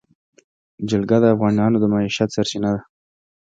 جلګه د افغانانو د معیشت سرچینه ده.